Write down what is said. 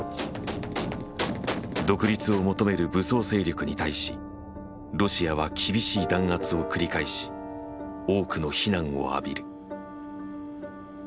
独立を求める武装勢力に対しロシアは厳しい弾圧を繰り返し多くの非難を浴びる。